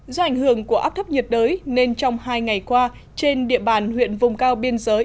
do ảnh hưởng của áp thấp nhiệt đới nên trong hai ngày qua trên địa bàn huyện vùng cao biên giới